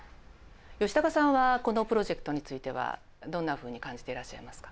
吉高さんはこのプロジェクトについてはどんなふうに感じていらっしゃいますか？